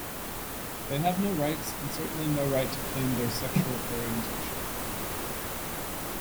They have no rights and certainly no right to claim their sexual orientation.